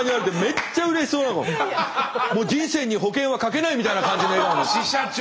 もう人生に保険はかけないみたいな感じの笑顔で。